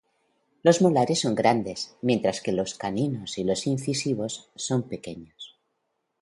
Los molares son grandes, mientras que los caninos y los incisivos son pequeños.